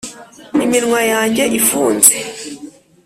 iminwa yanjye ifunze.